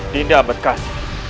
dinda abad kasi